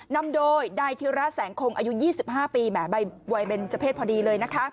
นำโดยนายธิระแสงคงอายุ๒๕ปีแหมวัยเบนเจอร์เศษพอดีเลยนะคะ